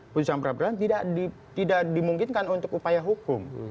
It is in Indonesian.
putusan peradilan tidak dimungkinkan untuk upaya hukum